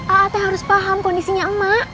a ate harus paham kondisinya emak